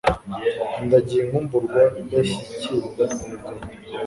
Ndagiye inkumburwa idashyikirwa mubagabo